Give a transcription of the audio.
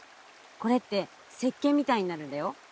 これって石けんみたいになるんだよ。